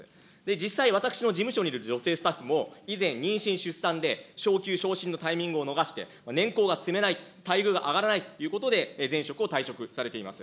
実際、私の事務所にいる女性スタッフも以前、妊娠・出産で、昇給、昇進のタイミングを逃して年功が積めないと、待遇が上がらないということで前職を退職されています。